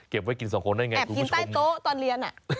เก็บไว้กินสองคนได้ไงคุณผู้ชมแอบกินใต้โต๊ะตอนเรียน